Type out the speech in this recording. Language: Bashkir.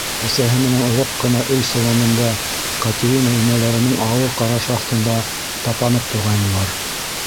Әсәһе менән оҙаҡ ҡына өй соланында Катерина инәләренең ауыр ҡарашы аҫтында тапанып торғайнылар.